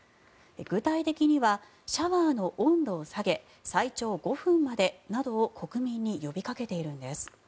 具体的にはシャワーの温度を下げ最長５分までなどを国民に呼びかけているんです。